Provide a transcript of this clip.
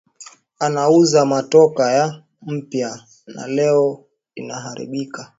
Anauza motoka ya mupya na leo inaaribika